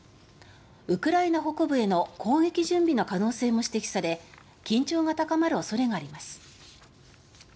ウクライナ北部への攻撃準備の可能性も指摘され緊張が高まる恐れがあります。